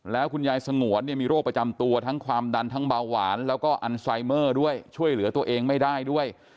แล้วคุณยายสงวนเนี่ยมีโรคประจำตัวทั้งความดันทั้งเบาหวานแล้วก็อันไซเมอร์ด้วยช่วยเหลือตัวเองไม่ได้ด้วย